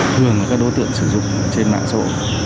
thường là các đối tượng sử dụng trên mạng xã hội